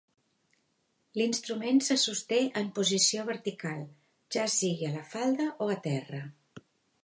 L'instrument se sosté en posició vertical, ja sigui a la falda o a terra.